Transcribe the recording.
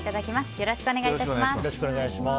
よろしくお願いします。